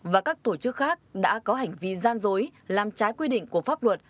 và các tổ chức khác đã có hành vi gian dối làm trái quy định của pháp luật